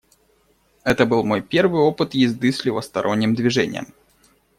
Это был мой первый опыт езды с левосторонним движением.